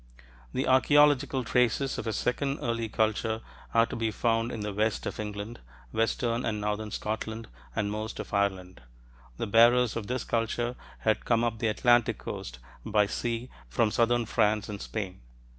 The archeological traces of a second early culture are to be found in the west of England, western and northern Scotland, and most of Ireland. The bearers of this culture had come up the Atlantic coast by sea from southern France and Spain.